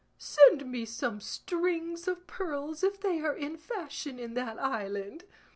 Send me some strings of pearls if they are in fashion in that island.